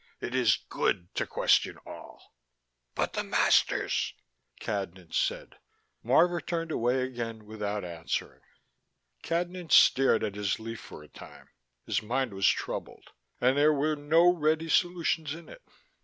"It is good to question all." "But the masters " Cadnan said. Marvor turned away again without answering. Cadnan stared at his leaf for a time. His mind was troubled, and there were no ready solutions in it.